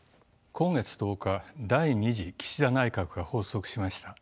今月１０日第２次岸田内閣が発足しました。